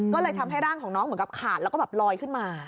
ก็เลยทำให้ร่างของน้องเหมือนกับขาดแล้วก็แบบลอยขึ้นมา